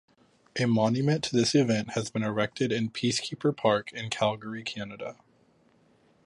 A monument to this event has been erected in Peacekeeper Park in Calgary, Canada.